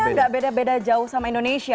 iklimnya gak beda beda jauh sama indonesia